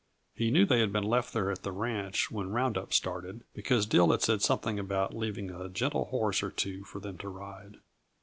He knew they had been left there at the ranch when round up started, because Dill had said something about leaving a gentle horse or two for them to ride.